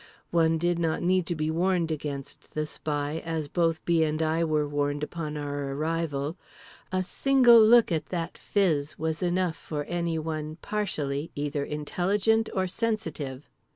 One did not need to be warned against the Spy (as both B. and I were warned, upon our arrival)—a single look at that phiz was enough for anyone partially either intelligent or sensitive.